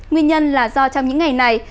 nguyên nhân là do trong những ngày này